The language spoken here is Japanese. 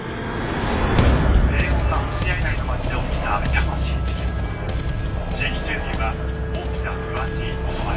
「平穏な星合台の町で起きた痛ましい事件」「地域住民は大きな不安に襲われています」